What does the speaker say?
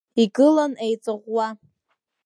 Игылан еиҵаӷәӷәа.